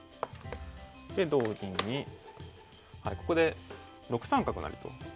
で同銀にここで６三角成と。